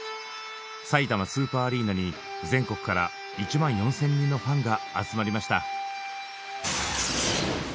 さいたまスーパーアリーナに全国から１万４，０００人のファンが集まりました。